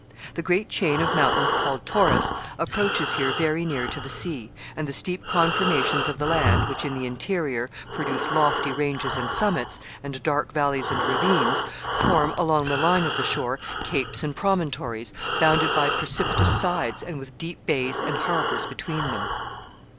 The great chain of mountains called Taurus approaches here very near to the sea, and the steep conformations of the land, which, in the interior, produce lofty ranges and summits, and dark valleys and ravines, form, along the line of the shore, capes and promontories, bounded by precipitous sides, and with deep bays and harbors between them.